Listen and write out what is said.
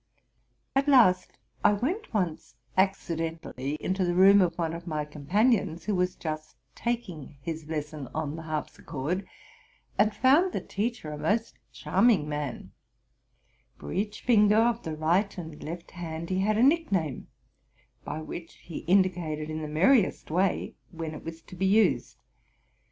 At last I went once accidentally into the room of one of my companions, who was just taking his lesson on the harpsi chord, and found the teacher a most charming man: for each 96 TRUTH AND FICTION finger of the right and left hand he had a nickname, by which he indicated in the merriest way when it was to be used.